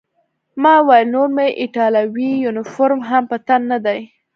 ما وویل: نور مې ایټالوي یونیفورم هم په تن نه دی.